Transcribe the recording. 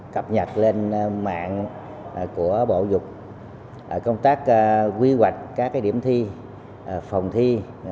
cập nhật lên mạng của bộ dục công tác quy hoạch các điểm thi phòng thi